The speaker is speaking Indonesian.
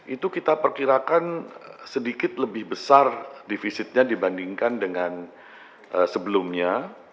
itu kita perkirakan sedikit lebih besar defisitnya dibandingkan dengan sebelumnya